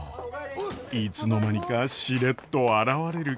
いつの間にかしれっと現れる賢秀。